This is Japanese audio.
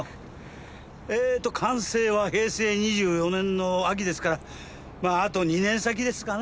ええと完成は平成２４年の秋ですからまああと２年先ですかね。